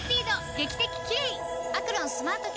劇的キレイ！